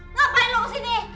ngapain lu kesini